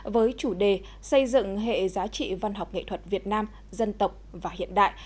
với chủ đề xây dựng hệ giá trị văn học nghệ thuật việt nam dân tộc và hiện đại